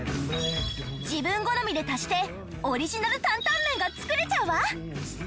自分好みで足してオリジナルタンタンメンが作れちゃうわ！